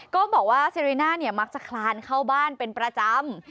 ก็บอกว่าเซริน่าเนี่ยมักจะคลานเข้าบ้านเป็นประจำ